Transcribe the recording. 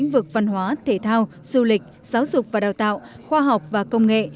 vực văn hóa thể thao du lịch giáo dục và đào tạo khoa học và công nghệ